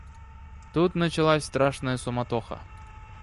Тут началась страшная суматоха.